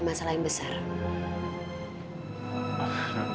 kita gak bisa berpikirin lagi